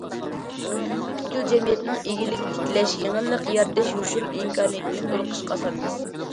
پۈتكۈل جەمئىيەتنىڭ ئىگىلىك تىكلەش، يېڭىلىق يارىتىش يوشۇرۇن ئىمكانىيىتىنى تولۇق ئىشقا سالىمىز.